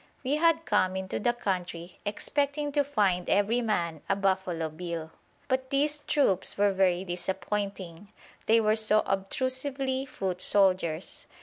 We had come into the country expecting to find every man a Buffalo Bill; but these troops were very disappointing; they were so obtrusively foot soldiers.